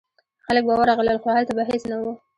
خلک به ورغلل خو هلته به هیڅ نه و.